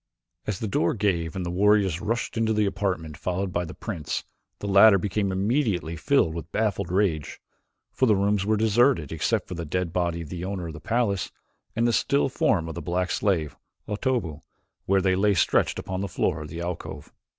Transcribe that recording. As the door gave and the warriors rushed into the apartment followed by the prince, the latter became immediately filled with baffled rage, for the rooms were deserted except for the dead body of the owner of the palace, and the still form of the black slave, Otobu, where they lay stretched upon the floor of the alcove.